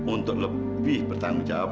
untuk lebih bertanggung jawab